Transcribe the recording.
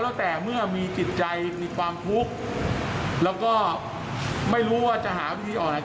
แล้วแต่เมื่อมีจิตใจมีความทุกข์แล้วก็ไม่รู้ว่าจะหาวิธีออกอะไร